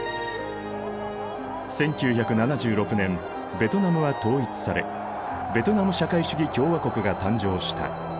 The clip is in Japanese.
１９７６年ベトナムは統一されベトナム社会主義共和国が誕生した。